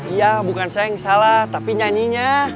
iya bukan saya yang salah tapi nyanyinya